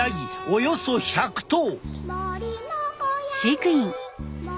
およそ１００頭！